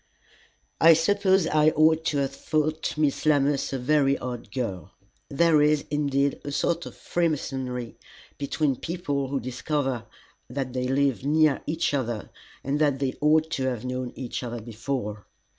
I suppose I ought to have thought Miss Lammas a very odd girl. There is, indeed, a sort of freemasonry between people who discover that they live near each other and that they ought to have known each other before.